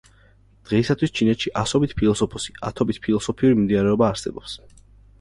დღეისათვის, ჩინეთში ასობით ფილოსოფოსი, ათობით ფილოსოფიური მიმდინარეობა არსებობს.